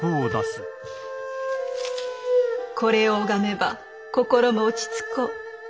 これを拝めば心も落ち着こう。